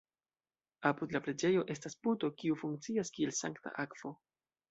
Apud la preĝejo estas puto, kiu funkcias kiel sankta akvo.